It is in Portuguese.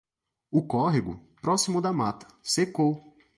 O córrego, próximo da mata, secou!